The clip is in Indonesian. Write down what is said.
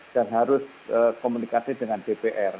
dan harus komunikasi dengan dpr